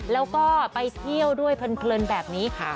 แล้วก็ไปเที่ยวด้วยเพลินแบบนี้ค่ะ